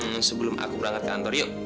hmm sebelum aku berangkat ke kantor yuk